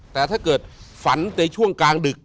แต่ถ้าเกิดฝันในช่วงกลางดึก